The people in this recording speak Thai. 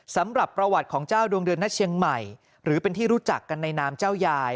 สำหรับประวัติของเจ้าดวงเดือนหน้าเชียงใหม่หรือเป็นที่รู้จักกันในนามเจ้ายาย